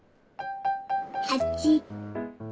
８。